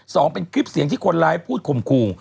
สองเป็นคลิปเสียงที่คนร้ายพูดข่มขู่